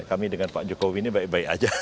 kami dengan pak jokowi ini baik baik aja